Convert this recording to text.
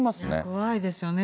怖いですよね。